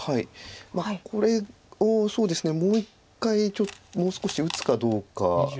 これをもう一回もう少し打つかどうか。